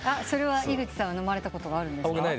それは井口さんは飲まれたことがあるんですか？